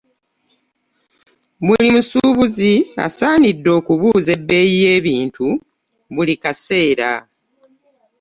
musuubuzi asaanidde okubuuza ebbeeyi y'ebintu buli kaseera.